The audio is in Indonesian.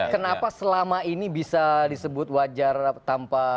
kenapa selama ini bisa disebut wajar tanpa